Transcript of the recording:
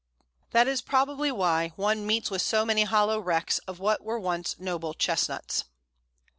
That is probably why one meets with so many hollow wrecks of what were once noble Chestnuts.